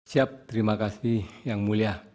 siap terima kasih yang mulia